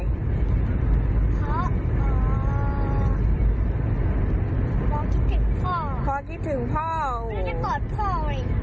ห่วงน้ำน้องเพียงปลอก่อน